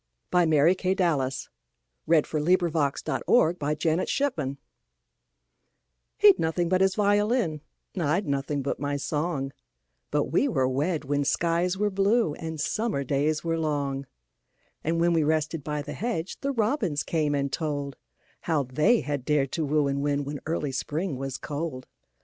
By Mary KyleDallas 1181 He 'd Nothing but His Violin HE 'D nothing but his violin,I 'd nothing but my song, But we were wed when skies were blueAnd summer days were long; And when we rested by the hedge, The robins came and toldHow they had dared to woo and win, When early Spring was cold.